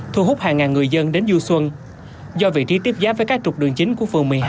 thu hút hàng ngàn người dân đến du xuân do vị trí tiếp giáp với các trục đường chính của phường một mươi hai